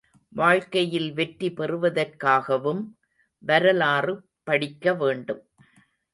வாழ்க்கையில் வெற்றி பெறுவதற்காகவும் வரலாறு படிக்க வேண்டும்.